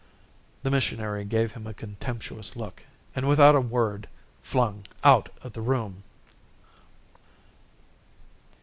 The missionary gave him a contemptuous look and without a word flung out of the room.